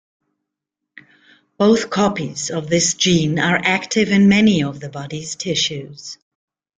Both copies of this gene are active in many of the body's tissues.